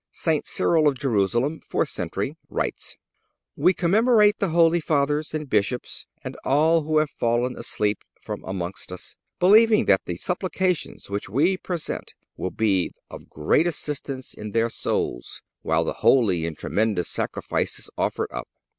(286) St. Cyril of Jerusalem, fourth century, writes: "We commemorate the Holy Fathers, and Bishops, and all who have fallen asleep from amongst us, believing that the supplications which we present will be of great assistance to their souls, while the holy and tremendous Sacrifice is offered up."